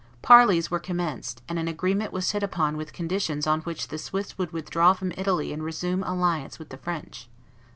Parleys were commenced; and an agreement was hit upon with conditions on which the Swiss would withdraw from Italy and resume alliance with the French.